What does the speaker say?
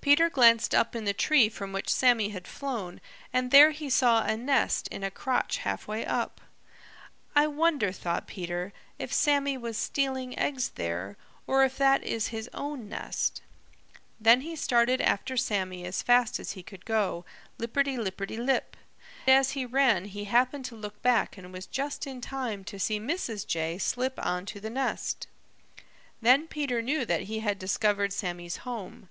Peter glanced up in the tree from which Sammy had flown and there he saw a nest in a crotch halfway up. "I wonder," thought Peter, "if Sammy was stealing eggs there, or if that is his own nest." Then he started after Sammy as fast as he could go, lipperty lipperty lip. As he ran he happened to look back and was just in time to see Mrs. Jay slip on to the nest. Then Peter knew that he had discovered Sammy's home.